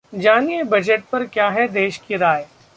जानिए बजट पर क्या है देश की राय